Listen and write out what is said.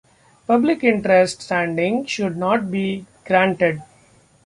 Public interest standing should not be granted.